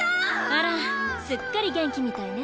あらすっかり元気みたいね。